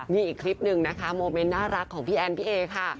นี่อีกคลิปหนึ่งนะคะโมเมนต์น่ารักของพี่แอนพี่เอค่ะ